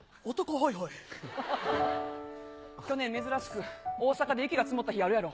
去年、珍しく大阪で雪が積もった日あるやろ。